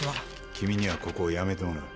「君にはここを辞めてもらう。